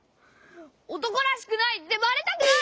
おとこらしくないってバレたくない！